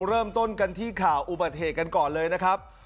เริ่มต้นกันที่ข่าวอุบัติเหตุกันก่อนเลยนะครับ